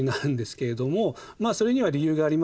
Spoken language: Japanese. それには理由があります。